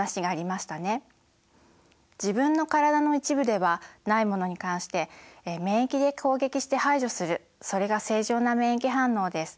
自分の体の一部ではないものに関して免疫で攻撃して排除するそれが正常な免疫反応です。